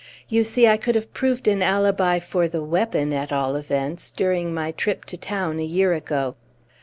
You see, I could have proved an alibi for the weapon, at all events, during my trip to town a year ago.